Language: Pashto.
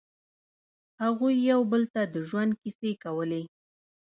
هغوی یو بل ته د ژوند کیسې کولې.